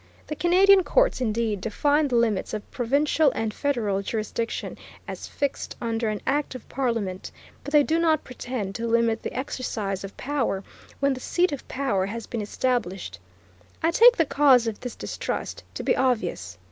The Canadian courts indeed define the limits of provincial and federal jurisdiction as fixed under an act of Parliament, but they do not pretend to limit the exercise of power when the seat of power has been established. I take the cause of this distrust to be obvious.